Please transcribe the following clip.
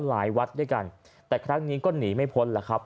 หลายวัดด้วยกันแต่ครั้งนี้ก็หนีไม่พ้นแหละครับ